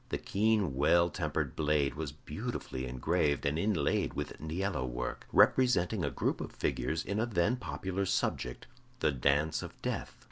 The keen, well tempered blade was beautifully engraved and inlaid with niello work, representing a group of figures in a then popular subject the dance of Death.